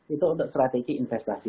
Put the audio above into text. itu untuk strategi investasi